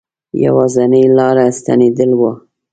یوازنی لاره ستنېدل وه.